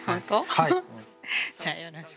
はい！